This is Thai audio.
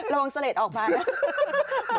ระวังเสลดออกมานะ